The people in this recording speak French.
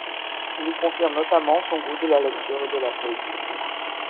Il y confirme notamment son goût de la lecture et de la poésie.